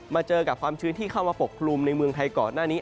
เจอกับความชื้นที่เข้ามาปกคลุมในเมืองไทยก่อนหน้านี้